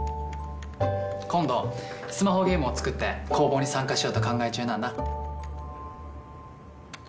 今度スマホゲームを作って公募に参加しようと考え中なんだ。